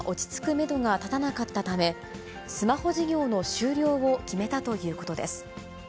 メドが立たなかったため、スマホ事業の終了を決めたということです。